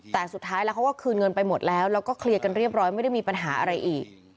แต่สุดท้ายแล้วเขาก็คืนเงินไปหมดแล้วแล้วก็เคลียร์กันเรียบร้อยไม่ได้มีปัญหาอะไรอีก